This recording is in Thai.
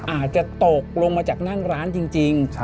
อาจจะตกลงมาจากนั่งร้านจริง